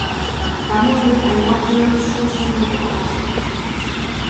Damit wird ein noch höheres Schutzniveau erreicht.